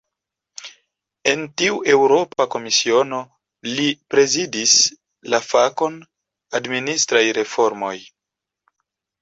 En tiu Eŭropa Komisiono, li prezidis la fakon "administraj reformoj".